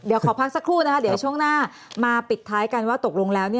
เดี๋ยวขอพักสักครู่นะคะเดี๋ยวช่วงหน้ามาปิดท้ายกันว่าตกลงแล้ว